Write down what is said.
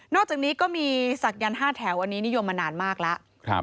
อกจากนี้ก็มีศักยันต์๕แถวอันนี้นิยมมานานมากแล้ว